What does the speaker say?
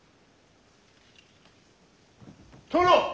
殿！